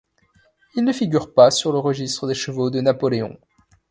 Il ne figure pas sur le registre des chevaux de Napoléon.